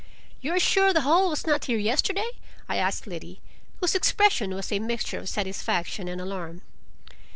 "You are sure the hole was not here yesterday?" I asked Liddy, whose expression was a mixture of satisfaction and alarm.